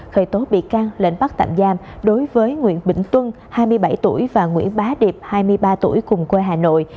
khởi tố bị can lệnh bắt tạm giam đối với nguyễn bình tuân hai mươi bảy tuổi và nguyễn bá điệp hai mươi ba tuổi cùng quê hà nội